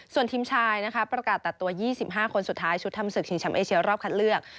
ส่วนทีมชายนะคะประกาศตัดตัว๒๕คนสุดท้ายชุดทำศึกชิงแชมป์เอเชียรอบคัดเลือก